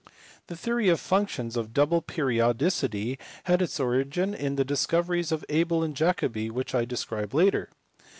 The theory of functions of double periodicity had its origin in the discoveries of Abel and Jacobi, which I describe later.